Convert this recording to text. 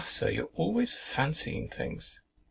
Sir, you're always fancying things.